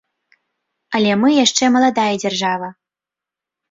Але мы яшчэ маладая дзяржава.